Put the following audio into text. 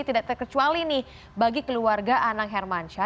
tidak terkecuali nih bagi keluarga anang hermansyah